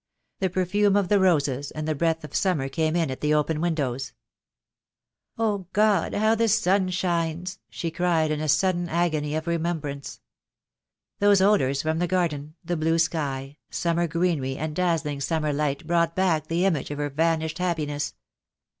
The perfume of roses and the breath of summer came in at the open windows. "Oh, God, how the sun shines," she cried, in a sud den agony of remembrance. Those odours from the garden, the blue sky, summer greenery and dazzling summer light brought back the image of her vanished happiness.